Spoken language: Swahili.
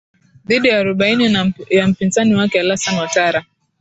dhidi ya arobaini ya mpinzani wake alasan watara